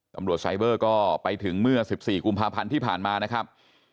ไซเบอร์ก็ไปถึงเมื่อ๑๔กุมภาพันธ์ที่ผ่านมานะครับ